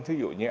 thứ dụ như ăn